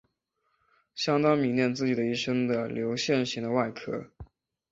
相当迷恋自己的一身的流线型的外壳。